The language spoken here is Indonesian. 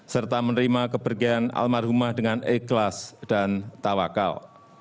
serta menerima kepergian almarhumah dengan ikhlas dan tawakal